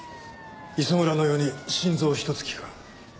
磯村のように心臓をひと突きか。